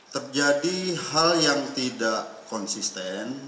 terjadi hal yang tidak konsisten